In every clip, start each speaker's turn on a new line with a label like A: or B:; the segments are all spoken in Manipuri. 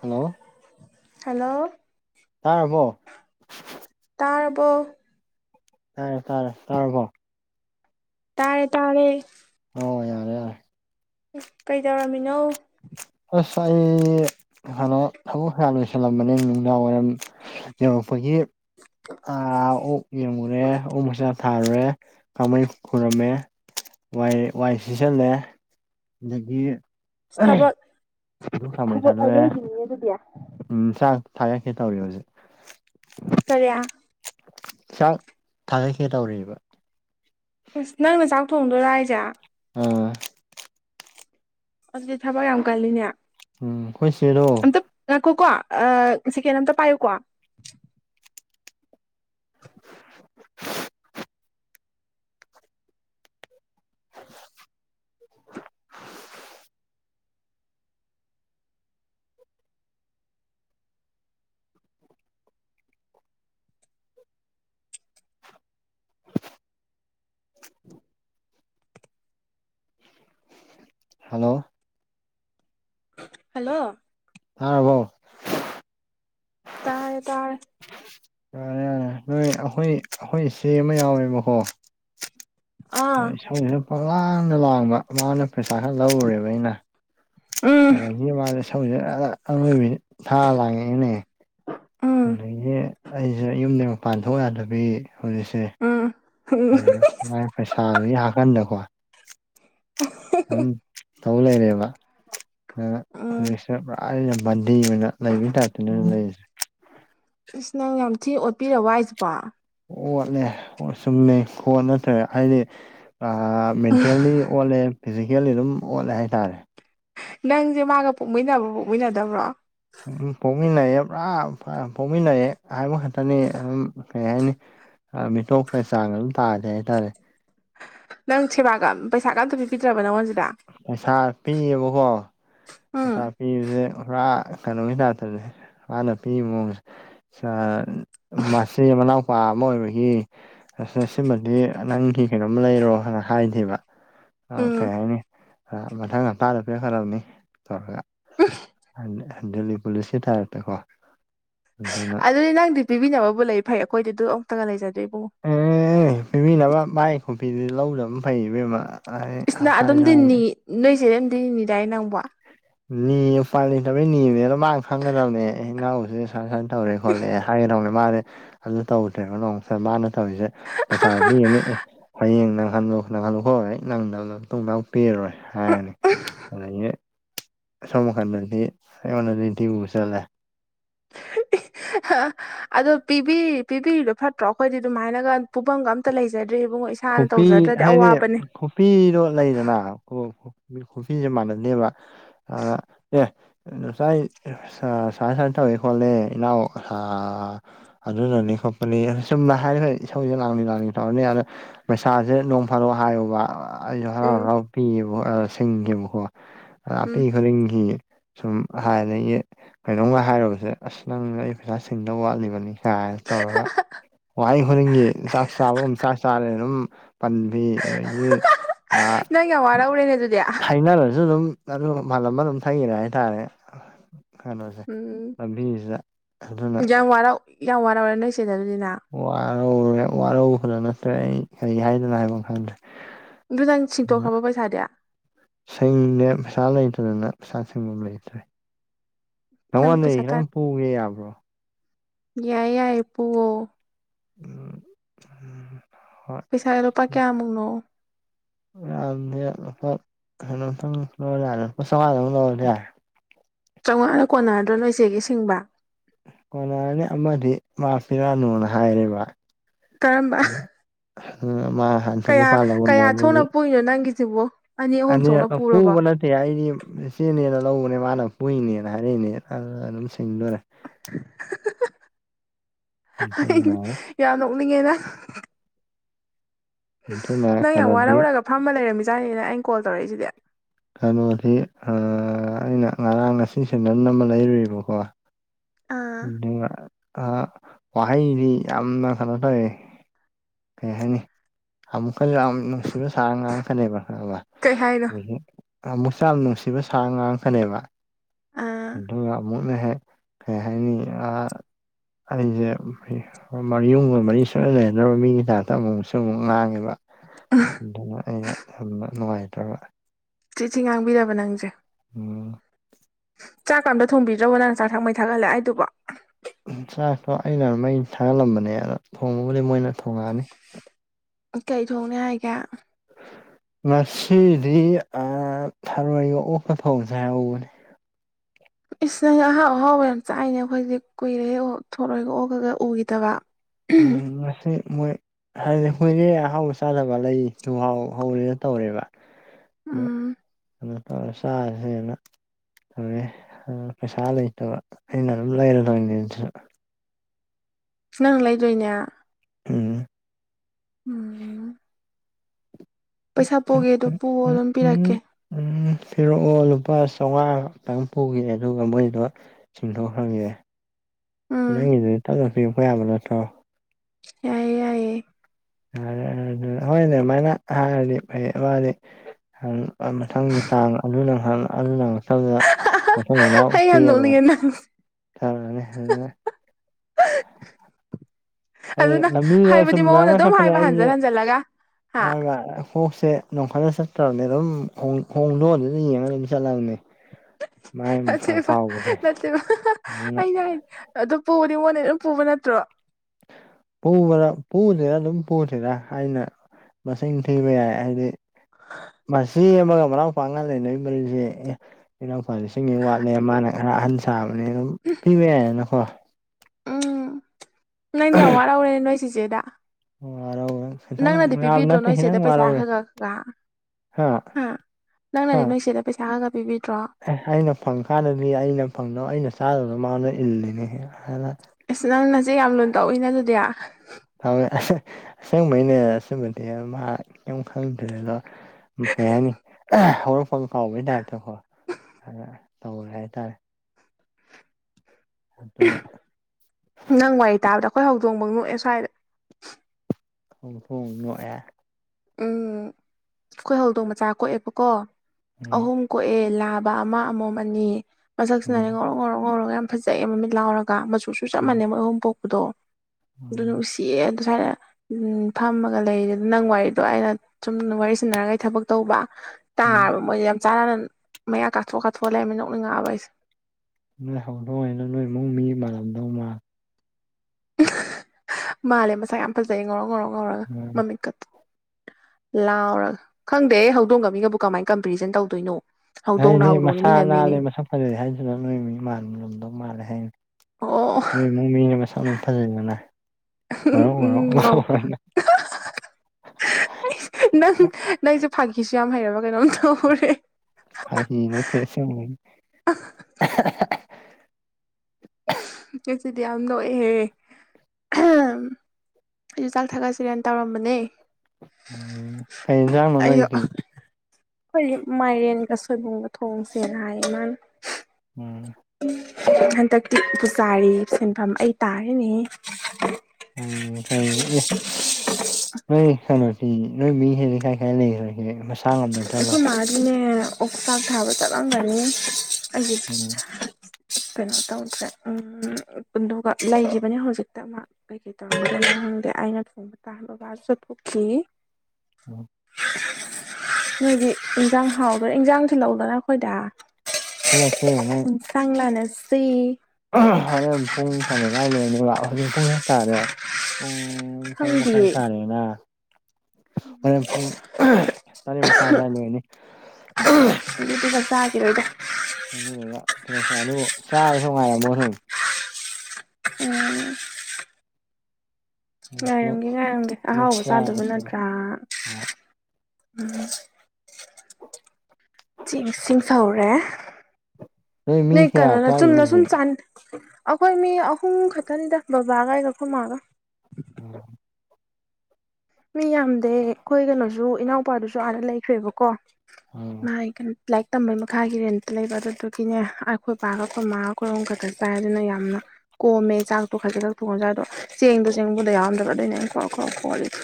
A: ꯍꯜꯂꯣ
B: ꯍꯜꯂꯣ
A: ꯇꯥꯔꯕꯣ
B: ꯇꯥꯔꯕꯣ
A: ꯇꯥꯔꯦ ꯇꯥꯔꯦ ꯇꯥꯔꯕꯣ
B: ꯇꯥꯔꯦ ꯇꯥꯔꯦ
A: ꯑꯣ ꯌꯥ
B: ꯀꯩꯗꯧꯔꯝꯃꯤꯅꯣ
A: ꯑꯁ ꯑꯩ ꯍꯜꯂꯣ ꯐꯃꯨꯡ ꯍꯥ ꯂꯣꯏꯁꯜꯂꯝꯕꯅꯦ ꯅꯨꯡꯗꯥꯡ ꯋꯥꯏꯔꯝ ꯌꯧꯔꯛꯄꯒꯤ ꯑꯥ ꯑꯣꯛ ꯌꯦꯡꯉꯨꯔꯦ ꯑꯣꯛ ꯃꯆꯥꯛ ꯊꯥꯔꯨꯔꯦ ꯀꯥꯡꯃꯩ ꯈꯨꯔꯝꯃꯦ ꯋꯥꯏ ꯋꯥꯏ ꯁꯤꯠꯆꯜꯂꯦ ꯗꯒꯤ
B: ꯊꯕꯛ ꯊꯕꯛ
A: ꯊꯥꯗꯣꯛꯑꯦ
B: ꯑꯔꯣꯏꯕꯤꯅꯤ ꯑꯗꯨꯗꯤ
A: ꯎꯝ ꯆꯥꯛ ꯊꯥꯒꯠꯀꯦ ꯇꯧꯔꯤ ꯍꯧꯖꯤꯛ
B: ꯀꯔꯤꯌꯥ
A: ꯆꯥꯛ ꯊꯥꯒꯠꯀꯦ ꯇꯧꯔꯤꯕ
B: ꯑꯁ ꯅꯪꯅ ꯆꯥꯛ ꯊꯣꯡꯗꯣꯏꯔꯥ ꯍꯥꯏꯖꯦ
A: ꯑꯥ
B: ꯑꯗꯨꯗꯤ ꯊꯕꯛ ꯌꯥꯝ ꯀꯜꯂꯤꯅꯦ
A: ꯎꯝ ꯈꯣꯏ ꯆꯦꯔꯣ
B: ꯑꯝꯇ ꯉꯥꯢꯈꯣꯀꯣ ꯑ ꯁꯦꯀꯦꯟ ꯑꯝꯇ ꯄꯥꯏꯌꯨꯀꯣ
A: [inaudible] [unintelligible] ꯍꯜꯂꯣ
B: ꯍꯜꯂꯣ
A: ꯇꯥꯔꯕꯣ
B: ꯇꯥꯔꯦ ꯇꯥꯔꯦ
A: ꯌꯥꯔꯦ ꯌꯥꯔꯦ ꯅꯣꯏ ꯑꯈꯣꯏ ꯑꯈꯣꯏ ꯏꯆꯦ ꯑꯃ ꯌꯥꯎꯋꯦꯕꯀꯣ
B: ꯑꯥ
A: ꯏꯁꯧꯖꯤꯅ ꯄꯪꯂꯥꯡꯗ ꯂꯥꯡꯕ ꯃꯥꯉꯣꯟꯗꯩ ꯄꯩꯁꯥ ꯈꯔ ꯂꯧꯔꯨꯔꯦꯕ ꯑꯩꯅ
B: ꯎꯝ
A: ꯑꯗꯒꯤ ꯃꯥꯖꯦ ꯁꯧꯁꯦ ꯑꯔ ꯑꯔ ꯑꯔꯣꯏꯕꯤ ꯊꯥꯔ ꯂꯥꯡꯉꯦꯅꯦ
B: ꯎꯝ
A: ꯑꯗꯒꯤ ꯑꯩꯖꯦ ꯌꯨꯝꯗꯩ ꯃꯄꯥꯟ ꯊꯣꯛ ꯌꯥꯗꯕꯤ ꯍꯧꯖꯤꯛꯁꯦ
B: ꯎꯝ ꯎꯝ
A: ꯄꯩꯁꯥꯗꯨꯒꯤ ꯍꯥꯀꯟꯗꯀꯣ ꯑꯗꯨꯝ ꯇꯧ ꯂꯩꯔꯦꯕ ꯑꯗꯨꯅ
B: ꯎꯝ
A: ꯍꯧꯖꯤꯛꯁꯦ ꯄ꯭ꯔꯥ ꯑꯩꯅ ꯕꯟꯗꯦ ꯑꯣꯏꯅ ꯂꯩꯕꯩ ꯇꯥꯢꯞꯇꯅꯤ ꯂꯩꯖꯦ
B: ꯏꯁ ꯅꯪ ꯌꯥꯝ ꯊꯤ ꯑꯣꯠꯄꯤꯔꯕꯣ ꯍꯥꯏꯁꯤꯕꯣ
A: ꯑꯣꯠꯂꯦ ꯑꯣ ꯆꯨꯝꯃꯦ ꯈꯣꯠ ꯅꯠꯇ꯭ꯔꯦ ꯑꯥꯏꯗꯤ ꯑ ꯃꯦꯟꯇꯦꯜꯂꯤ ꯑꯣꯠꯂꯦ ꯐꯤꯖꯤꯀꯦꯜꯂꯤ ꯑꯗꯨꯝ ꯑꯣꯠꯂꯦ ꯍꯥꯏꯇꯥꯔꯦ
B: ꯅꯪꯖꯦ ꯃꯥꯒ ꯄꯣꯛꯃꯤꯟꯅꯕ꯭ꯔꯣ ꯄꯣꯛꯃꯤꯟꯅꯗꯕ꯭ꯔꯣ
A: ꯎꯝ ꯄꯣꯛꯃꯤꯟꯅꯩꯌꯦ ꯄꯨꯔꯥ ꯄꯣꯛꯃꯤꯟꯅꯩꯌꯦ ꯍꯥꯏꯕ ꯈꯇꯅꯤ ꯑꯗꯨꯝ ꯀꯩ ꯍꯥꯏꯅꯤ ꯑ ꯃꯤꯇꯣꯞꯀ ꯆꯥꯡ ꯑꯗꯨꯝ ꯇꯥꯗꯦ ꯍꯥꯏꯇꯥꯔꯦ
B: ꯅꯪ ꯁꯦꯕꯥꯒ ꯄꯩꯁꯥꯒ ꯑꯝꯇ ꯄꯤꯕꯤꯗ꯭ꯔꯕ ꯅꯪꯉꯣꯟꯁꯤꯗ
A: ꯄꯩꯁꯥ ꯄꯤꯌꯦꯕꯀꯣ
B: ꯎꯝ
A: ꯄꯩꯁꯥ ꯄꯤꯕꯖꯦ ꯄꯨꯔꯥ ꯀꯩꯅꯣꯒꯤ ꯇꯥꯢꯞꯇꯅꯦ ꯃꯥꯅ ꯄꯤꯕ ꯃꯑꯣꯡꯖꯦ ꯆ ꯃꯆꯦ ꯃꯅꯥꯎ ꯄꯥ ꯑꯃ ꯑꯣꯏꯕꯒꯤ ꯅꯁꯦ ꯁꯤꯃꯗꯤ ꯅꯪꯒꯤ ꯀꯩꯅꯣꯝꯃ ꯂꯩꯔꯣ ꯍꯥꯅ ꯍꯥꯏꯗꯦꯕ ꯑꯪ
B: ꯎꯝ
A: ꯀꯩ ꯍꯥꯏꯅꯤ ꯃꯊꯪ ꯍꯞꯇꯥꯗ ꯄꯤꯔꯛꯀꯗꯕꯅꯤ ꯇꯧꯒ
B: [unintelligible]
A: ꯗꯦꯂꯤ ꯄꯨꯂꯤꯁꯤ ꯇꯥꯏꯞꯇꯀꯣ ꯑꯗꯨꯅꯤ
B: ꯑꯗꯨꯗꯤ ꯅꯪꯗꯤ ꯄꯤꯕꯤꯅꯕꯕꯨ ꯂꯩ ꯐꯩ ꯑꯩꯈꯣꯏꯗꯤ ꯑꯗꯨ ꯑꯝꯇꯒ ꯂꯩꯖꯗꯦ ꯏꯕꯨꯨꯡꯉꯣ
A: ꯑꯦ ꯄꯤꯕꯤꯅꯕ ꯃꯥꯏ ꯈꯨꯄꯤꯗꯨꯗꯤ ꯂꯧꯗꯕꯝ ꯐꯩ ꯢꯕꯦꯝꯃ ꯍꯥꯏ ꯍ ꯍꯥꯢꯔꯧꯅꯦ
B: ꯅꯣꯢ ꯆꯦꯗ [unintelligible] ꯅꯤꯗꯥꯥꯏ ꯅꯪꯕꯣ
A: ꯅꯤꯌꯦ ꯎꯄꯥꯢꯂꯩꯇꯕꯩ ꯅꯤꯕꯅꯦ ꯑꯗꯣ ꯃꯥꯥꯅ ꯈꯪꯒꯗꯕꯅꯦ ꯏꯅꯥꯎꯁꯤ ꯁꯥꯏꯟ ꯁꯥꯢꯟ ꯇꯧꯔꯦ ꯈꯣꯠꯂꯦ ꯍꯥꯏꯒꯗꯧꯅꯦ ꯃꯥꯗꯤ ꯑꯗꯨ ꯇꯧꯗ꯭ꯔꯦꯀꯣ ꯅꯣꯡ ꯁꯥ ꯃꯥꯅ ꯇꯧꯔꯤꯖꯦ ꯄꯩꯁꯥ ꯄꯤꯒꯅꯤ ꯑꯦ ꯍꯌꯦꯡ ꯅꯪꯍꯟꯂꯣ ꯅꯪꯍꯜꯂꯨꯀꯣ ꯍꯦꯛ ꯅꯪꯗꯕꯗ ꯃꯇꯨꯡ ꯅꯥꯎ ꯄꯤꯔꯔꯣꯏ ꯍꯥꯏꯔꯅꯤ ꯑꯗꯒꯤ ꯑꯁꯣꯝ ꯅꯥꯀꯟꯗꯗꯤ ꯑꯩꯉꯣꯟꯗꯗꯤ ꯗ꯭ꯌꯨ ꯆꯠꯂꯦ
B: [unintelligible] ꯑꯗꯣ ꯄꯤꯕꯤꯔꯤ ꯄꯤꯕꯤꯔꯤꯗꯣ ꯐꯠꯇ꯭ꯔꯣ ꯑꯈꯣꯏꯗꯤ ꯑꯗꯨꯃꯥꯏꯅꯒ ꯄꯨꯕꯝꯒ ꯑꯝꯇ ꯂꯩꯖꯗ꯭ꯔꯦ ꯏꯕꯨꯡꯉꯣ ꯏꯁꯥꯅ
A: ꯈꯨꯄꯤ
B: ꯇꯧꯖꯗ꯭ꯔꯗꯤ
A: ꯍꯥꯏꯗꯤ
B: ꯑꯋꯥꯕꯅꯦ
A: ꯈꯨꯄꯤꯗꯣ ꯂꯩꯗꯅ ꯈꯨꯄꯤꯖꯦ ꯃꯥꯟꯅꯗꯦꯕ ꯑ ꯑꯦ ꯅꯆꯥꯏ ꯁ ꯁꯥꯢ ꯁꯥꯢ ꯇꯧꯋꯦ ꯈꯣꯠꯂꯦ ꯏꯅꯥꯎ ꯑ ꯑꯗꯨꯅꯅꯤ ꯈꯣꯠꯄꯅꯤ ꯆꯨꯝꯅ ꯍꯥꯏꯔꯒ ꯏꯁꯧꯖꯦ ꯂꯥꯡꯂꯤ ꯂꯥꯡꯂꯤ ꯇꯧꯔꯅꯤ ꯑꯗ ꯄꯩꯁꯥꯖꯦ ꯅꯣꯡ ꯐꯥꯗꯣꯛ ꯍꯥꯏꯌꯣꯕ ꯑꯩꯖꯨ ꯍꯔꯥꯎ
B: ꯎꯝ
A: ꯍꯔꯥꯎ ꯄꯤꯌꯦꯕ ꯑ ꯁꯤꯡꯒꯦꯕꯀꯣ ꯑ
B: ꯎꯝ
A: ꯑꯄꯤ ꯈꯨꯗꯤꯡꯒꯤ ꯁꯨꯝ ꯍꯥꯟꯅꯗꯒꯤ ꯀꯩꯅꯣꯝꯒ ꯍꯥꯏꯔꯨꯕꯁꯦ ꯑꯁ ꯅꯪ ꯑꯩ ꯄꯩꯁꯥ ꯁꯤꯡꯗꯧ ꯋꯥꯠꯂꯤꯕꯅꯤ ꯀꯥꯏꯅ ꯇꯧꯔꯒ ꯋꯥꯍꯩ ꯈꯨꯗꯤꯡꯒꯤ ꯆꯥꯛ ꯆꯥꯕꯝ ꯆꯥꯛ ꯆꯥꯔꯦ ꯑꯗꯨꯝ ꯄꯟꯕꯤ ꯑꯗꯒꯤ ꯑꯥ
B: ꯅꯪ ꯌꯥꯝ ꯋꯥꯔꯧꯔꯦꯅꯦ ꯑꯗꯨꯗꯤ
A: ꯍꯥꯏꯅꯔꯁꯨ ꯑꯗꯨꯝ ꯑꯗꯨꯒ ꯃꯜꯂꯝꯃ ꯑꯗꯨꯝ ꯊꯩꯒ꯭ꯔꯦ ꯍꯥꯏꯇꯥꯔꯦ ꯀꯩꯅꯣꯁꯦ
B: ꯎꯝ
A: ꯂꯝꯕꯤꯖꯤꯗ ꯑꯗꯨꯅ
B: ꯌꯥꯝ ꯋꯥꯔꯧ ꯌꯥꯝ ꯋꯥꯔꯧꯔꯦ ꯅꯣꯏ ꯆꯦꯗ ꯑꯗꯨꯗꯤ ꯅꯪ
A: ꯋꯥꯔꯧꯔꯦ ꯋꯥꯔꯧꯕ ꯈꯛꯇ ꯅꯠꯇ꯭ꯔꯦ ꯑꯩ ꯀꯔꯤ ꯍꯥꯏꯗꯣꯏꯅꯣ ꯍꯥꯏꯕꯝ ꯈꯪꯗ꯭ꯔꯦ
B: ꯑꯗꯣ ꯅꯪ
A: ꯑꯗꯨꯅ
B: ꯁꯤꯟꯇꯣꯛꯈꯕꯣ ꯄꯩꯁꯥꯗꯤ
A: ꯁꯤꯡꯗꯦ ꯄꯩꯁꯥ ꯂꯩꯇꯗꯅ ꯄꯩꯁꯥ ꯁꯤꯡꯕꯝ ꯂꯩꯇ꯭ꯔꯦ
B: ꯅꯪ
A: ꯅꯉꯣꯟꯗꯩ
B: ꯄꯩꯁꯥ
A: ꯈꯔ
B: ꯇꯥ
A: ꯄꯨꯒꯦ ꯌꯥꯕ꯭ꯔꯣ
B: ꯌꯥꯏꯌꯦ ꯌꯥꯏꯌꯦ ꯄꯨꯋꯣ
A: [unintelligible]
B: ꯄꯩꯁꯥ ꯂꯨꯄꯥ ꯀꯌꯥꯃꯨꯛꯅꯣ
A: ꯌꯥꯝꯗꯦ ꯂꯨꯄꯥ ꯀꯩꯅꯣꯝꯇꯪ ꯂꯧꯔ ꯌꯥꯔꯦ ꯂꯨꯄꯥ ꯆꯧꯉꯥꯇꯪ ꯂꯧꯔꯗꯤ ꯌꯥꯔꯦ
B: ꯆꯧꯉꯥꯅ ꯀꯣꯟꯅꯔꯗ꯭ꯔꯣ ꯅꯣꯏꯆꯦꯒꯤ ꯁꯤꯡꯕ
A: ꯀꯣꯟꯅꯥꯔꯅꯤ ꯑꯃꯗꯤ ꯃꯥ ꯄꯤꯔꯛꯑꯅꯨꯅ ꯍꯥꯏꯔꯦꯕ
B: ꯀꯔꯝꯕ
A: ꯈꯪ ꯑꯃꯥ
B: ꯀꯌꯥ ꯀꯌꯥ ꯊꯣꯛꯅ ꯄꯨꯏꯅꯣ ꯅꯪꯒꯤꯁꯤꯕꯣ
A: ꯑꯅꯤꯔꯛ ꯄꯨꯕ ꯅꯠ ꯑꯦ ꯑꯩꯗꯤ ꯏꯆꯦꯅꯦꯅ ꯂꯧꯕꯅꯦ ꯃꯥꯅ ꯄꯨꯏꯅꯦꯅ ꯍꯥꯏꯔꯛꯏꯅꯦ ꯑꯗꯨꯅ ꯑꯗꯨꯝ ꯁꯤꯡꯗꯣꯔꯦ
B: ꯑꯩꯒꯤ
A: ꯑꯗꯨꯅ
B: ꯌꯥꯝ ꯅꯣꯛꯅꯤꯡꯉꯦꯗ
A: ꯑꯗꯨꯅ
B: ꯅꯪ ꯌꯥꯝ
A: ꯀꯩꯅꯣꯗꯤ
B: ꯋꯥꯔꯧꯔꯒ ꯐꯝꯃ ꯂꯩꯔꯝꯃꯤꯖꯥꯅꯤꯅꯦ ꯑꯩꯅ ꯀꯣꯜ ꯇꯧꯔꯛꯏꯁꯤꯗꯤ
A: ꯀꯩꯅꯣꯗꯤ ꯑꯩꯅ ꯉꯔꯥꯡ ꯉꯁꯤ ꯁꯦꯗꯟ ꯑꯃ ꯂꯩꯔꯨꯏꯕꯀꯣ ꯑ ꯋꯥꯍꯩꯗꯤ ꯌꯥꯝꯅ ꯀꯩꯅꯣ ꯇꯧꯥꯋꯦ ꯀꯩ ꯍꯥꯏꯅꯤ ꯑꯃꯨꯛꯀꯁꯨ ꯌꯥꯝ ꯅꯨꯡꯁꯤꯕ ꯁꯥꯔ ꯉꯥꯡꯉꯛꯀꯅꯦꯕ
B: ꯀꯩ ꯍꯥꯏꯅꯣ
A: ꯑꯃꯨꯛꯁꯨ ꯌꯥꯝ ꯅꯨꯡꯁꯤꯕ ꯁꯥ ꯉꯥꯡꯉꯛꯀꯅꯦꯕ ꯑꯗꯨꯒ ꯑꯃꯨꯛꯅ ꯍꯦꯛ ꯑꯗꯩ ꯑ ꯑꯩꯁꯦ ꯌꯨꯝꯒ ꯃꯔꯤ ꯁꯨꯛꯂꯩ ꯂꯩꯅꯗꯕꯩ ꯃꯤꯒꯤ ꯇꯥꯏꯞꯇ ꯑꯃꯨꯛꯁꯨ ꯑꯃꯨꯛ ꯉꯥꯡꯉꯦꯕ ꯑꯗꯨꯒ ꯑꯩꯅ ꯌꯝꯅ ꯅꯨꯉꯥꯏꯇ꯭ꯔꯕ
B: ꯊꯤ ꯊꯤ ꯉꯥꯡꯕꯤꯔꯕ ꯅꯪꯁꯦ
A: ꯎꯝ
B: ꯆꯥꯛꯀ ꯑꯝꯇ ꯊꯣꯡꯕꯤꯗ꯭ꯔꯕꯣ ꯅꯪꯅ ꯆꯥꯛ ꯃꯩ ꯊꯥꯒꯠꯍꯜꯂꯦ ꯍꯥꯏꯗꯨꯕꯨ
A: ꯆꯥꯛꯇꯣ ꯑꯩꯅ ꯃꯩ ꯊꯥꯡꯒꯜꯂꯝꯕꯅꯦ ꯑꯗ ꯊꯣꯡꯉꯕꯨꯗꯤ ꯃꯣꯏꯅ ꯊꯣꯡꯉꯛꯑꯅꯤ
B: ꯀꯩ ꯊꯣꯡꯅꯤ ꯍꯥꯏꯒꯦ
A: ꯉꯁꯤꯗꯤ ꯑꯥ ꯊꯥꯔꯣꯏꯒ ꯑꯣꯛꯀ ꯊꯣꯡꯁꯦ ꯍꯥꯏꯍꯧꯕꯅꯦ
B: ꯏꯁ ꯅꯪꯗꯤ ꯑꯍꯥꯎ ꯑꯍꯥꯎꯕ ꯌꯥꯝ ꯆꯥꯛꯏꯅꯦ ꯑꯩꯈꯣꯏꯁꯦ ꯀꯨꯏꯔꯦ ꯊꯔꯣꯏ ꯑꯣꯛ ꯀ ꯎꯈꯤꯗꯕ
A: ꯎꯝ ꯉꯁꯤ ꯃꯣꯏ ꯍꯥꯏꯗꯤ ꯑꯩꯈꯣꯏꯗꯤ ꯑꯍꯥꯎ ꯆꯥꯗꯕ ꯂꯩ ꯇꯨꯍꯥꯎ ꯍꯧꯔꯦꯗꯣ ꯇꯧꯔꯦꯕ ꯑꯗꯣ
B: ꯎꯝ
A: ꯀꯩꯅꯣ ꯇꯧꯔ ꯆꯔꯁꯦꯅ ꯍꯦ ꯄꯩꯁꯥ ꯂꯩꯇꯕ ꯑꯩꯅ ꯑꯗꯨꯝ ꯂꯩꯔ ꯇꯧꯅꯤ ꯑꯗꯨꯁꯨ
B: ꯅꯪ ꯂꯩꯗꯣꯏꯅꯦ
A: ꯎꯝ
B: ꯎꯝ ꯄꯩꯁꯥ
A: ꯎꯝ
B: ꯄꯨꯒꯦꯗꯣ
A: ꯎꯝ
B: ꯄꯨꯋꯣ
A: ꯎꯝ
B: ꯑꯗꯨꯝ ꯄꯤꯔꯛꯀꯦ
A: ꯎꯝ ꯎꯝ ꯄꯤꯔꯛꯑꯣ ꯂꯨꯄꯥ ꯆꯥꯝꯃꯉꯥ ꯈꯛꯇꯪ ꯄꯨꯒꯦ ꯑꯗꯨꯒ ꯃꯣꯏꯗꯣ ꯆꯤꯡꯊꯣꯛꯈ꯭ꯔꯒꯦ
B: ꯎꯝ
A: ꯅꯪꯒꯤꯗꯨꯗꯤ ꯇꯞꯅ ꯄꯤꯔꯛꯄ ꯌꯥꯕ ꯅꯠꯇ꯭ꯔꯣ
B: ꯌꯥꯏꯌꯦ ꯌꯥꯏꯌꯦ
A: ꯌꯥꯔꯦ ꯌꯥꯔꯦ ꯍꯣꯏꯅꯦ ꯑꯗꯨꯃꯥꯏꯅ ꯍꯥꯏꯔꯗꯤ ꯐꯩ ꯃꯥꯗꯤ ꯃꯊꯪꯒꯤ ꯇꯥꯡ ꯑꯗꯨ ꯅꯪꯍꯟ ꯑꯗꯨ ꯅꯪ ꯃꯊꯪꯗ ꯃꯇꯨꯡ ꯃꯅꯥꯎ
B: ꯑꯩ ꯌꯥꯝ
A: ꯄꯤꯔꯔꯣꯏ
B: ꯅꯣꯛꯅꯤꯡꯉꯦ ꯅꯪ
A: ꯊꯥꯔꯛꯅꯤ ꯑꯗꯨꯅ ꯑꯩ
B: ꯑꯗꯨꯅ
A: ꯂꯝꯕꯤꯗ
B: ꯍꯥꯏꯕꯗꯤ
A: ꯁꯨꯝ
B: ꯃꯉꯣꯟꯗ
A: ꯉꯥꯡꯅ
B: ꯑꯗꯨꯝ
A: ꯆꯠꯄꯅꯦ
B: ꯍꯥꯏꯕ
A: ꯑꯩꯖꯤ
B: ꯍꯟꯖꯤꯟ ꯍꯟꯖꯤꯜꯂꯒ ꯍꯥ
A: ꯑꯗꯨꯒ ꯀꯣꯛꯁꯦ ꯅꯣꯟꯈꯠꯂ ꯆꯠꯇ꯭ꯔꯕꯅꯦ ꯑꯗꯨꯝ ꯈꯣꯡ ꯈꯣꯡꯗꯣꯟꯖꯤꯗ ꯌꯦꯡꯉꯥ ꯑꯗꯨꯝ ꯆꯠꯂꯕꯅꯦ ꯃꯥꯏ ꯃꯄꯥ
B: ꯅꯠꯇꯦꯕ
A: ꯐꯥꯎꯕꯁꯦ
B: ꯅꯠꯇꯦꯕ ꯍꯥꯍꯥ
A: ꯑꯗꯨꯅ
B: ꯑꯩꯩꯅ ꯍꯥꯏꯗꯤ ꯑꯗꯨ ꯄꯨꯕꯗꯤ ꯃꯉꯣꯟꯗꯩ ꯑꯗꯨꯝ ꯄꯨꯕ ꯅꯠꯇ꯭ꯔꯣ
A: ꯄꯨꯕꯥꯔꯥ ꯄꯨꯗꯦꯗ ꯑꯗꯨꯝ ꯄꯨꯗꯦꯗ ꯑꯩꯅ ꯃꯁꯤꯡ ꯊꯤꯕ ꯌꯥꯏ ꯍꯥꯏꯗꯤ ꯃꯆꯦ ꯑꯃꯒ ꯃꯅꯥꯎꯄꯥ ꯑꯃꯒ ꯂꯩꯅꯔꯤꯕ ꯃꯔꯤꯖꯦ ꯑꯦ ꯏꯅꯥꯎꯄꯥꯖꯦ ꯁꯤꯡꯒꯩ ꯋꯥꯠꯂꯦ ꯃꯥꯅ ꯈꯔ ꯑꯍꯟ ꯁꯥꯕꯅꯦ ꯑꯗꯨꯝ ꯄꯤꯕ ꯌꯥꯏꯌꯦꯅꯀꯣ
B: ꯎꯝ ꯅꯪꯗꯤ ꯌꯥꯝ ꯋꯥꯔꯧꯔꯦ ꯅꯣꯏ ꯆꯤꯆꯦꯗ
A: ꯋꯥꯔꯧꯔꯦ ꯈꯤꯇꯪ
B: ꯅꯪꯅꯗꯤ
A: ꯌꯥꯝ
B: ꯄꯤꯕꯤꯗ꯭ꯔꯣ
A: ꯅꯠꯇꯦ
B: ꯅꯣꯏꯆꯦꯗ
A: ꯈꯤꯇꯪ
B: ꯄꯩꯁꯥ
A: ꯋꯥꯔꯧꯔꯦ
B: ꯈꯥꯒ ꯈꯥꯒ ꯍꯥ
A: ꯍꯥ
B: ꯅꯪꯅꯗꯤ ꯅꯣꯏꯆꯦꯗ ꯄꯩꯁꯥ ꯈꯔꯒ ꯄꯤꯕꯤꯗ꯭ꯔꯣ
A: ꯑꯦ ꯑꯩꯅ ꯐꯪ ꯀꯥꯟꯗꯗꯤ ꯑꯩꯅ ꯐꯪꯗꯧ ꯑꯩꯅ ꯆꯥꯗꯧꯕ ꯃꯥꯉꯣꯟꯗ ꯏꯜꯂꯤꯅꯦꯍꯦ ꯑꯩꯅ
B: ꯏꯁ ꯅꯪ ꯅꯆꯦ ꯌꯥꯝ ꯂꯨꯅ ꯇꯧꯏꯅ ꯑꯗꯨꯗꯤ
A: ꯇꯧꯋꯦ ꯑꯁꯦꯡꯕꯩꯅꯦ ꯑꯁꯦꯡꯕꯗꯤ ꯃꯥ ꯀꯩꯌꯤꯝ ꯈꯪꯗ꯭ꯔꯦ ꯑꯗꯣ ꯀꯩ ꯍꯥꯏꯅꯤ [unintelligible] ꯍꯧꯔꯛꯐꯝ ꯀꯥꯎꯕꯩ ꯇꯥꯏꯞꯇꯀꯣ ꯇꯧꯋꯦ ꯍꯥꯏꯇꯥꯔꯦ ꯑꯗꯨꯅ
B: [unintelligible] ꯅꯪ ꯋꯥꯔꯤ ꯇꯥꯕꯗ ꯑꯩꯈꯣꯏ ꯍꯧꯗꯣꯡꯕꯣꯛ ꯅꯣꯛꯑꯦ ꯁ꯭ꯋꯥꯏꯗ
A: ꯍꯣꯡꯅ ꯍꯣꯡ ꯅꯣꯛꯑꯦ
B: ꯎꯝ ꯑꯩꯈꯣꯏ ꯍꯧꯗꯣꯡ ꯃꯆꯥ ꯀꯣꯛꯑꯦꯕꯀꯣ
A: ꯎꯝ
B: ꯑꯍꯨꯝ ꯀꯣꯛꯑꯦ ꯂꯥ ꯕ ꯑꯃ ꯑꯃꯣꯝ ꯑꯅꯤ ꯃꯁꯛꯁꯤꯅꯅꯦ
A: ꯎꯝ
B: ꯉꯧꯔꯣꯛ ꯉꯧꯔꯣꯛ ꯉꯧꯔꯒ ꯌꯥꯝ ꯐꯖꯩꯌꯦ ꯃꯃꯤꯠ ꯂꯥꯎꯔꯒ ꯃꯆꯨꯁꯨ ꯆꯞ
A: ꯎꯝ
B: ꯃꯥꯟꯅꯩ ꯃꯣꯏ ꯑꯍꯨꯝ ꯄꯣꯛꯄꯗꯣ ꯑꯗꯨ
A: ꯎꯝ
B: ꯅꯨꯡꯁꯤ ꯇꯦ ꯑꯗꯨ ꯁꯨꯃꯥꯏꯅ ꯐꯝꯃꯒ ꯂꯩ ꯅꯪ ꯋꯥꯔꯤ ꯑꯗꯣ ꯑꯩꯅ ꯁꯨꯝ ꯋꯥꯔꯤ ꯁꯟꯅꯔꯒ ꯑꯩ ꯊꯕꯛ ꯇꯧꯕ
A: ꯎꯝ
B: ꯇꯥꯔꯕ ꯃꯣꯏꯖꯦ ꯌꯥꯝ ꯆꯥꯟꯅꯅ ꯃꯌꯥ ꯀꯥꯊꯣꯛ ꯀꯥꯊꯣꯛꯑ ꯂꯩꯔꯝꯃꯦ ꯅꯣꯛꯅꯤꯡꯉꯛꯕ ꯑꯩꯁꯦ
A: ꯅꯣꯏ ꯍꯧꯗꯣꯡꯒꯩꯅ ꯅꯣꯏ ꯏꯃꯨꯡ ꯃꯤ ꯃꯥꯟꯂꯝꯗꯧ ꯃꯥꯜ
B: ꯃꯥꯜꯂꯦ ꯃꯁꯛ ꯌꯥꯝ ꯐꯖꯩ ꯉꯧꯔꯣꯛ ꯉꯧꯔꯣꯛ ꯉꯧꯔꯒ
A: ꯎꯝ
B: ꯃꯃꯤꯠꯀꯗꯣ ꯂꯥꯎꯔꯒ ꯈꯪꯗꯦꯍꯦ ꯍꯧꯗꯣꯡꯒ ꯃꯤꯒꯕꯨ ꯀꯃꯥꯏꯅ ꯀꯝꯄꯦꯔꯤꯖꯟ ꯇꯧꯗꯣꯏꯅꯣ ꯍꯧꯗꯣꯡꯅ
A: ꯍꯥꯏꯗꯤ
B: ꯍꯧꯗꯣꯡꯅꯤ
A: ꯃꯁꯥ
B: ꯃꯤꯅ ꯃꯤꯅꯤ
A: ꯅꯥꯜꯂꯦ ꯃꯁꯛ ꯐꯖꯩ ꯍꯥꯏꯖꯤꯅ ꯅꯣꯏ ꯃꯤ ꯃꯥꯟꯂꯝꯗꯧ ꯃꯥꯜꯂꯦ ꯍꯥꯏꯅꯤ
B: ꯑꯣ
A: ꯅꯣꯏ ꯏꯃꯨꯡ ꯃꯤꯅ ꯃꯁꯛ ꯂꯣꯏ ꯐꯖꯩꯗꯅ
B: [unintelligible]
A: ꯉꯧꯔꯣꯛ ꯉꯧꯔꯣꯛ
B: ꯎꯝ ꯉꯧ
A: ꯂꯥꯎꯔꯒ
B: [unintelligible] ꯑꯩꯁ ꯅꯪ ꯅꯪꯁꯨ ꯐꯥꯒꯤꯁꯨ ꯌꯥꯝ ꯍꯩꯔꯕ ꯀꯩꯅꯣꯝ ꯇꯧꯔꯦ
A: ꯐꯥꯒꯤ ꯅꯠꯇꯦ ꯑꯁꯦꯡꯕꯩ [unintelligible]
B: [unintelligible] ꯉꯥꯁꯤꯗꯤ ꯌꯥꯝ ꯅꯣꯛꯑꯦꯍꯦ ꯑꯍꯝ ꯑꯩꯖꯨ ꯆꯥꯛ ꯊꯥꯒꯠꯁꯤꯔꯅ ꯇꯧꯔꯝꯕꯅꯦ
A: ꯎꯝ ꯀꯩ ꯏꯟꯖꯥꯡꯅꯣ
B: ꯑꯩꯌꯣ
A: ꯅꯣꯏꯗꯤ
B: ꯑꯈꯣꯏꯗꯤ ꯃꯥꯏꯔꯦꯟꯒ ꯁꯣꯏꯕꯨꯝꯒ ꯊꯣꯡꯁꯦꯅ ꯍꯥꯏꯌꯦ ꯏꯃꯥꯅ
A: ꯎꯝ
B: ꯍꯟꯗꯛꯇꯤ ꯄꯨꯆꯥꯥꯔꯤ ꯁꯤꯟꯐꯝ ꯑꯩ ꯇꯥꯔꯦꯅꯦꯍꯦ
A: ꯐꯩꯌꯦ ꯐꯩꯌꯦ ꯑꯦ ꯅꯣꯏ ꯀꯩꯅꯣꯗꯤ ꯅꯣꯏ ꯃꯤꯈꯩꯗꯤ ꯀꯥꯏ ꯀꯥꯏ ꯂꯩꯈ꯭ꯔꯒꯦ ꯃꯁꯛ
B: ꯑꯈꯣꯏ ꯃꯥꯥꯗꯤꯅꯦ ꯑꯣ ꯆꯥꯛ ꯊꯥꯕ ꯆꯠꯂꯝꯒꯅꯤ ꯑꯩꯗꯤ
A: ꯎꯝ
B: ꯀꯩꯅꯣ ꯇꯧꯗ꯭ꯔꯦ ꯎꯝ ꯑꯗꯨꯒ ꯂꯩꯈꯤꯕꯅꯦ ꯍꯧꯖꯤꯛꯇ ꯃꯥ ꯀꯩꯀꯩ ꯇꯧꯔꯝꯗꯣꯏꯅꯣ ꯉꯪꯗꯦ ꯑꯩꯅ ꯊꯣꯡꯕ ꯇꯥꯏ ꯕꯥꯕꯥꯖꯨ ꯆꯠꯊꯣꯛꯈꯤ
A: ꯋꯥ
B: ꯅꯣꯏꯗꯤ ꯏꯟꯖꯥꯡ ꯍꯥꯎꯕ꯭ꯔ ꯏꯟꯖꯥꯡ ꯊꯤꯜꯂꯛ ꯎꯗꯅ ꯑꯩꯈꯣꯏꯗ
A: ꯊꯤꯜꯂꯛꯀꯦ ꯅꯣꯏ
B: ꯖꯥꯡ ꯂꯥꯟꯅꯁꯤ
A: [unintelligible] ꯍꯣꯔꯦꯟ ꯄꯨꯡ ꯀꯩꯅꯣ ꯑꯗꯥꯏ ꯂꯣꯏꯅꯤꯕ ꯍꯧꯖꯤꯛ ꯄꯨꯡ ꯀꯌꯥ ꯇꯥꯥꯔꯦ ꯄꯨꯡ ꯎꯝ ꯇꯔꯨꯛ ꯃꯈꯥꯏ
B: ꯈꯪꯗꯤꯌꯦ
A: ꯇꯥꯔꯦꯅ ꯍꯣꯔꯦꯟ ꯄꯨꯡ ꯇꯔꯦꯠ ꯃꯈꯥꯏ ꯑꯗꯨꯋꯥꯏ ꯂꯣꯏꯅꯤ [unintelligible]
B: ꯑꯗꯨꯗꯤ ꯆꯥꯛ ꯆꯥꯒꯤꯔꯣꯏꯗ
A: ꯑꯗꯨꯗꯨꯒ ꯈꯔꯈꯤꯗꯣ ꯆꯥꯔꯁꯨ ꯉꯥꯏꯔꯝꯃꯣ ꯑꯗꯨꯝ
B: ꯎꯝ
A: ꯄꯨꯂꯞ
B: ꯉꯥꯏꯔꯝꯒꯦ ꯉꯥꯏꯔꯝꯒꯦ
A: ꯄꯨꯂꯞ
B: ꯑꯍꯥꯎꯕ ꯆꯥꯗꯧꯕ
A: ꯆꯥꯔꯁꯦꯕ
B: ꯅꯠꯇ꯭ꯔꯥ
A: ꯍꯣꯏ
B: ꯎꯝ ꯆꯤꯡ ꯏꯆꯤꯡ ꯁꯧꯔꯦ
A: ꯃꯤ
B: ꯅꯣꯏ
A: ꯀꯌꯥ
B: ꯀꯩꯅꯣꯅꯥ
A: ꯆꯥꯔꯤ
B: ꯆꯨꯝꯅ ꯁꯨꯝ
A: ꯍꯧꯖꯤꯛ
B: ꯆꯥꯟ ꯑꯈꯣꯏ ꯃꯤ ꯑꯍꯨꯝ ꯈꯛꯇꯅꯤꯗ ꯕꯕꯥꯒ ꯑꯩꯒ ꯑꯈꯣꯏ ꯃꯥꯒ
A: ꯎꯝ
B: ꯃꯤ ꯌꯥꯝꯗꯦ ꯈꯣꯏ ꯀꯩꯅꯣꯖꯨ ꯏꯅꯥꯎꯄꯥꯗꯨꯁꯨ ꯑꯥꯗ ꯂꯩꯈ꯭ꯔꯦꯕꯀꯣ ꯃꯥꯥꯏ ꯂꯥꯏꯔꯤꯛ ꯇꯝꯕꯩ ꯃꯈꯥꯒꯤ ꯔꯦꯟꯇ ꯂꯩꯕ ꯑꯗꯨꯗꯨꯒꯤꯅꯦ ꯑꯩꯈꯣꯏ ꯕꯥꯒ ꯈꯣꯏ ꯃꯥꯥꯒ ꯈꯣꯏ ꯑꯍꯨꯝ ꯈꯛꯇ ꯆꯥꯏ ꯑꯗꯨꯅ ꯌꯥꯝꯅ ꯀꯣꯝꯃꯦ ꯆꯥꯛꯇꯨ ꯈꯖꯤꯛ ꯈꯛ ꯊꯣꯡ ꯉꯒꯗꯣ ꯆꯦꯡꯗꯣ ꯆꯦꯡꯕꯨꯗ ꯌꯥꯎꯔꯝꯗ꯭ꯔꯕ ꯑꯗꯨꯢꯅꯦ ꯑꯩꯅ ꯈꯔꯣ ꯈꯔꯣ ꯈꯣꯠꯂꯤꯗꯣ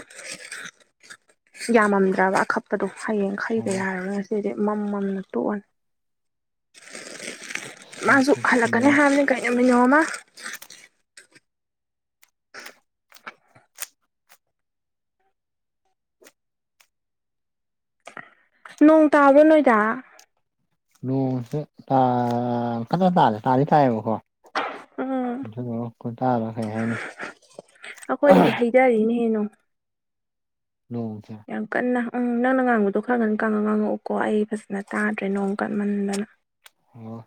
B: ꯌꯥꯝꯃꯝꯗ꯭ꯔꯕ ꯑꯀꯞꯄꯗꯣ ꯍꯌꯦꯡ ꯈꯩꯗ ꯌꯥꯔꯔꯣꯢ ꯁꯤꯗꯤ ꯃꯝ ꯃꯝ ꯇꯣꯛꯑꯅꯤ [unintelligible] ꯃꯥꯁꯨ ꯍꯜꯂꯛꯀꯅꯤ ꯍꯥꯢꯕꯅꯤ ꯀꯩ ꯅꯨꯃꯤꯠ ꯅꯣꯝꯃ ꯅꯣꯡ ꯇꯥꯕ꯭ꯔꯣ ꯅꯣꯢꯗ
A: ꯅꯣꯡꯁꯦ ꯇꯥ ꯈꯛꯇ ꯇꯥꯗꯦ ꯇꯥꯗꯤ ꯇꯥꯢꯌꯦꯕꯀꯣ
B: ꯎꯝ
A: ꯑꯗꯨ ꯈꯨꯇꯥꯕ ꯀꯩ ꯍꯥꯢꯅꯤ
B: ꯌꯥꯔꯤꯅꯤ ꯑꯩꯅꯣ
A: ꯅꯣꯡꯁꯦ
B: ꯌꯥꯝ ꯀꯟꯅ ꯎꯝ ꯅꯪꯅ ꯉꯥꯡꯕꯗꯣ ꯈꯔꯀꯟꯅ ꯉꯥꯡꯉꯛꯎꯀꯣ ꯑꯩ ꯐꯖꯅ ꯇꯥꯗ꯭ꯔꯦ ꯅꯣꯡ ꯀꯟꯃꯟꯗꯅ
A: ꯑꯣ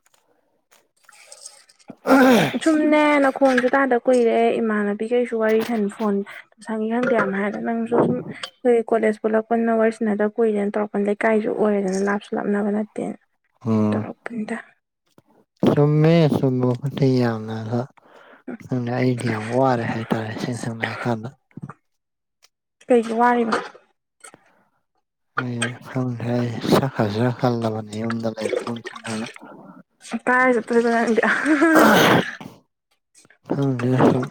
B: ꯖꯨꯝꯅꯦ ꯅꯈꯣꯟꯖꯨ ꯇꯥꯗ ꯀꯨꯢꯔꯦ ꯏꯃꯥꯟꯅꯕꯤ ꯄꯤ ꯀꯩꯁꯨ ꯋꯥꯔꯤ ꯁꯟ ꯐꯣꯟ ꯁꯟꯉꯦꯡ ꯀꯌꯥꯝ ꯍꯥꯢꯗꯨ ꯅꯪꯖꯨ ꯁꯨꯝ ꯅꯣꯢ ꯀꯣꯂꯦꯖ ꯄꯨꯂꯛꯄꯨꯅ ꯋꯥꯔꯤꯁꯟꯗ ꯀꯨꯢꯔꯦꯅ ꯇꯧꯔꯛꯄ ꯂꯩꯀꯥꯢꯖꯨ ꯑꯣꯢꯔꯦꯗꯅ ꯂꯥꯞꯁꯨ ꯂꯞꯅꯕ ꯅꯠꯇꯦꯅ
A: ꯑꯣ
B: ꯇꯧꯔꯛꯄꯅꯤꯗ
A: ꯆꯨꯝꯃꯦ ꯆꯨꯝꯕꯕꯨꯗꯤ ꯌꯥꯝꯅ ꯑ ꯈꯪꯗꯦ ꯑꯩꯗꯤ ꯌꯥꯝ ꯋꯥꯔꯦ ꯍꯥꯢꯇꯥꯔꯦ ꯁꯤ ꯑꯁꯦꯡꯕ ꯍꯥꯢ ꯀꯥꯟꯗ
B: ꯀꯩꯒꯤ ꯋꯥꯔꯤꯕ
A: ꯑꯩ ꯈꯪꯗꯦ [unintelligible] ꯐꯖꯅ ꯍꯜꯂꯕꯅꯤ ꯌꯝꯗ ꯂꯩ [unintelligible]
B: ꯀꯗꯥꯢ ꯆꯠꯇꯨꯢꯕ ꯅꯪꯗꯤ ꯑꯍ ꯍ ꯍ
A: ꯈꯪꯗꯦꯗ ꯁꯨꯝ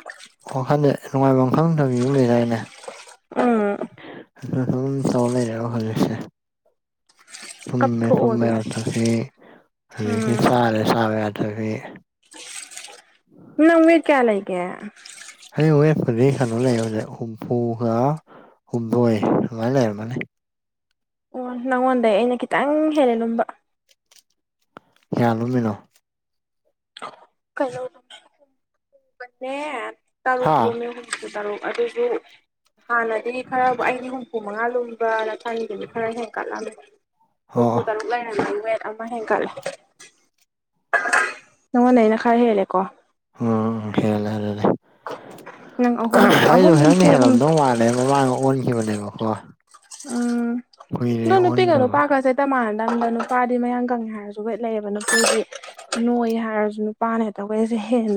A: ꯋꯥꯈꯜꯗ ꯅꯨꯡꯉꯥꯢꯕꯝ ꯈꯪꯗꯕꯤ ꯑꯃ ꯂꯩꯗꯥꯢꯅꯦ
B: ꯎꯝ
A: ꯑꯗꯨ ꯑꯗꯨꯝ ꯇꯧ ꯂꯩꯔꯕ ꯍꯧꯖꯤꯛꯁꯦ ꯇꯨꯝꯃꯦ
B: ꯀꯞꯊꯣꯛꯑꯣ
A: ꯇꯨꯝꯕ
B: ꯑꯗꯨꯗꯤ
A: ꯌꯥꯗꯕꯤ ꯑꯗꯒꯤ
B: ꯎꯝ
A: ꯆꯥꯔꯦ ꯆꯥꯕ ꯌꯥꯗꯕꯤ [inaudible]
B: ꯅꯪ ꯋꯦꯠ ꯀꯌꯥ ꯂꯩꯒꯦ
A: ꯑꯩ ꯋꯦꯠꯄꯨꯗꯤ ꯀꯩꯅꯣ ꯂꯩꯕꯅꯦ ꯍꯨꯝꯐꯨꯒ ꯍꯨꯝꯗꯣꯢ ꯑꯗꯨꯃꯥꯢ ꯂꯩꯔꯝꯒꯅꯤ
B: ꯑꯣ ꯅꯪꯉꯣꯟꯗꯩ ꯑꯩꯅ ꯈꯤꯇꯪ ꯍꯦꯜꯂꯦ ꯂꯨꯝꯕ
A: ꯀꯌꯥ ꯂꯨꯝꯃꯤꯅꯣ
B: ꯀꯩꯅꯧ ꯑꯅꯦ ꯇꯔꯨꯛ
A: ꯍꯥ
B: ꯂꯨꯝꯃꯦ ꯍꯧ ꯍꯨꯝꯐꯨ ꯇꯔꯨꯛ ꯑꯗꯨꯁꯨ ꯍꯥꯟꯅꯗꯤ ꯈꯔꯕꯨ ꯑꯩꯗꯤ ꯍꯨꯝꯐꯨ ꯃꯉꯥ ꯂꯨꯝ ꯨꯑ ꯅꯊꯟꯒꯤꯗꯨꯅꯤ ꯈꯔ ꯍꯦꯟꯀꯠꯂꯝꯃꯦ ꯍꯨꯝꯐꯨ
A: ꯑꯣ ꯑꯣ
B: ꯇꯔꯨꯛ ꯂꯩꯔꯝꯃꯦ ꯋꯦꯠ ꯑꯃ ꯍꯦꯟꯒꯠꯂꯦ ꯅꯪꯉꯣꯟꯗꯩ ꯑꯩꯅ ꯈꯔ ꯍꯦꯜꯂꯦꯀꯣ
A: ꯎꯝ ꯍꯦꯜꯂꯦ ꯑꯗꯨꯗꯤ
B: ꯅꯪ ꯑꯍꯨꯝ
A: ꯑꯩꯅ
B: ꯑꯍꯨꯝ
A: ꯅꯪꯅ
B: ꯍꯨꯝꯐꯨ ꯍꯨꯝ
A: ꯍꯦꯜꯂꯝꯗꯧ ꯃꯥꯜ ꯑꯦ ꯃꯃꯥꯡꯗ ꯑꯣꯟꯈꯤꯕꯅꯦꯕꯀꯣ
B: ꯎꯝ
A: ꯀꯨꯏꯔꯦ
B: ꯑꯗꯣ ꯅꯨꯄꯤꯒ
A: ꯑꯣꯟꯗꯕ
B: ꯅꯨꯄꯥꯒꯖꯦ ꯆꯞ ꯃꯥꯟꯅꯗꯕꯅꯤꯗ ꯅꯨꯄꯥꯗꯤ ꯃꯌꯥꯡ ꯀꯪꯉꯦ ꯍꯥꯢꯔꯖꯨ ꯋꯦꯠ ꯂꯩꯌꯦꯕ ꯅꯨꯄꯤꯗꯤ ꯅꯣꯢ ꯍꯥꯢꯔꯖꯨ ꯅꯨꯄꯥꯅ ꯍꯦꯛꯇ ꯋꯦꯠꯁꯦ ꯍꯦꯟꯕ